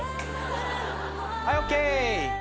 はいＯＫ。